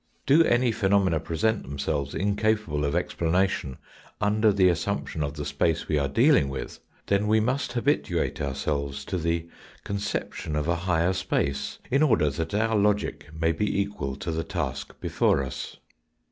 Do any phenomena present themselves incapable of explanation under the assumption of the space we are dealing with, then we must habituate ourselves to the conception of a higher space, in order that our logic may be equal to the task before us.